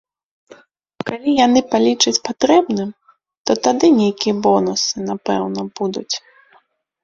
Калі яны палічаць патрэбным, то тады нейкія бонусы, напэўна, будуць.